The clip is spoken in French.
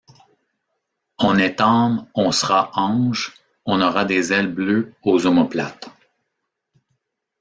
On est âme, on sera ange, on aura des ailes bleues aux omoplates.